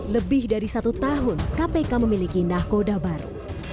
lebih dari satu tahun kpk memiliki nahkoda baru